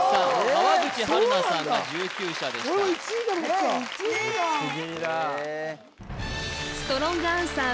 川口春奈さんが１９社でした１位だと思ってたぶっちぎりだストロングアンサー